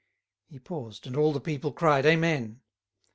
He paused, and all the people cried, Amen.